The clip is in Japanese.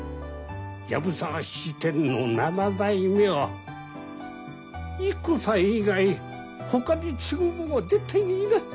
藪沢質店の７代目はゆき子さん以外ほかに継ぐ者は絶対にいない。